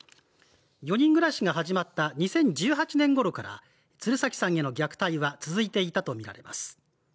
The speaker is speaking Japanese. ４人暮らしが始まった２０１８年ごろから鶴崎さんへの虐待は続いていたとみらます。